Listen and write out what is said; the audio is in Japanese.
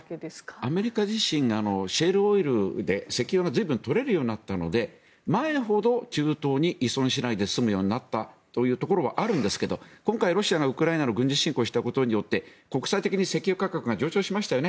アメリカ自身シェールオイルで石油がずいぶん取れるようになったので前ほど中東に依存しないで済むようになったというところはあるんですけど今回、ロシアがウクライナに軍事侵攻したことによって国際的に石油価格が上昇しましたよね。